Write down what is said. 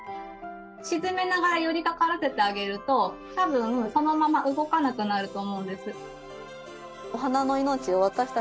沈めながら寄りかからせてあげると多分そのまま動かなくなると思うんです。